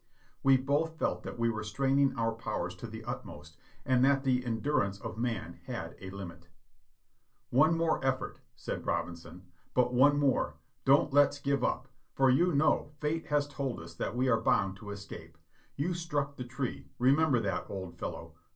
We both felt that we were straining our powers to the utmost, and that the endurance of man had a limit. "One more effort," said Robinson, ''but one more; don't let's 502 JOHNNY REB AND BILLY YANK give up, for you know fate has told us that we are bound to es cape. You struck the tree, remember that, old fellow